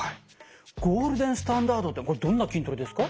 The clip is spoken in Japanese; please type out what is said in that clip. ゴールデンスタンダードってこれどんな筋トレですか？